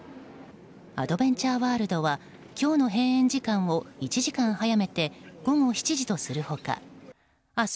アドベンチャーワールドは今日の閉園時間を１時間早めて午後７時とする他明日